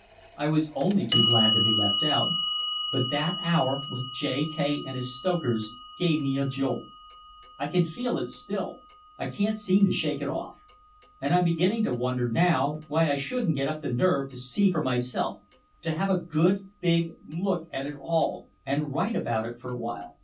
I was only too glad to be left out. But that hour with J. K. and his stokers gave me a jolt. I can feel it still. I can't seem to shake it off. And I'm beginning to wonder now why I shouldn't get up the nerve to see for myself, to have a good big look at it all and write about it for a while."